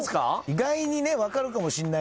意外にね分かるかもしんないから。